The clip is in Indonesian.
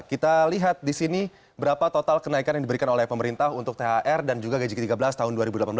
kita lihat di sini berapa total kenaikan yang diberikan oleh pemerintah untuk thr dan juga gaji ke tiga belas tahun dua ribu delapan belas